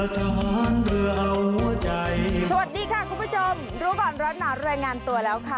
สวัสดีค่ะคุณผู้ชมรู้ก่อนร้อนหนาวรายงานตัวแล้วค่ะ